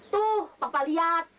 tuh bapak lihat